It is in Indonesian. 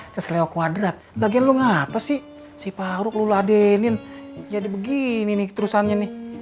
ke sileo kuadrat lagian lu ngapa sih si paruk lu ladenin jadi begini nih terusannya nih